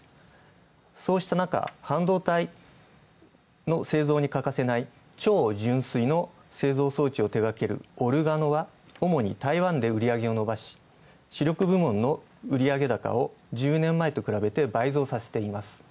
そうしたなか、半導体の製造に欠かせない超純粋の製造装置を手がけるオルガノは主に台湾で主力部門の売上高を１０年前と比べて倍増させています。